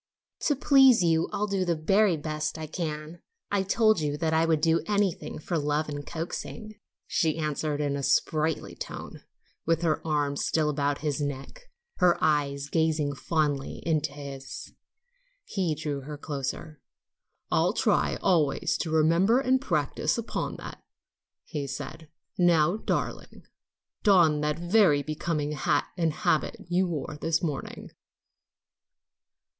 "To please you I'll do the very best I can. I told you I would do anything for love and coaxing," she answered in a sprightly tone, with her arm still about his neck, her eyes gazing fondly into his. He drew her closer. "I'll try always to remember and practice upon that," he said, "Now, darling, don that very becoming hat and habit you wore this morning."